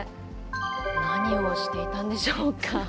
何をしていたんでしょうか。